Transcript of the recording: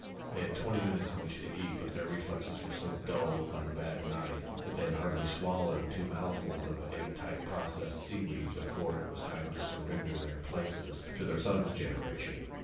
They had twenty minutes in which to eat, but their reflexes were so dulled by the bad night that they had hardly swallowed two mouthfuls of egg type processed seaweed before it was time to surrender their places to their son's generation.